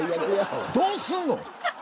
どうすんの？